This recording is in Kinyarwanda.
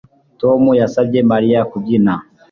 Tom yasabye Mariya kubyina